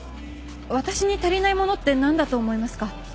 私に足りないものって何だと思いますか？